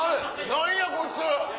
何やこいつ！